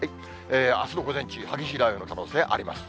あすの午前中、激しい雷雨の可能性あります。